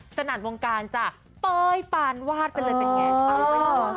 สถานบงการจะเป้ยปานวาดเป็นเลยเป็นไง